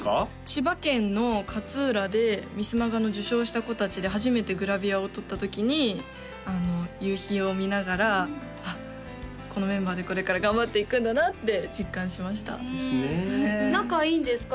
千葉県の勝浦でミスマガの受賞した子達で初めてグラビアを撮った時に夕日を見ながらあっこのメンバーでこれから頑張っていくんだなって実感しました仲いいんですか？